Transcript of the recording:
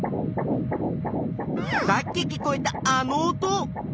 さっき聞こえたあの音。